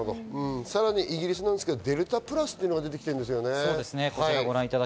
さらにイギリス、デルタプラスというのが出てきているんですね。